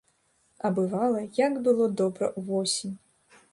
А бывала, як было добра ўвосень!